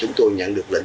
chúng tôi nhận được lệnh